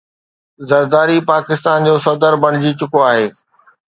زرداري پاڪستان جو صدر بڻجي چڪو آهي